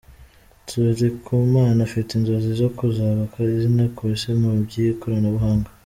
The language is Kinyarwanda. Turikumana afite inzozi zo kuzubaka izina ku Isi mu by’ikoranabuhanga.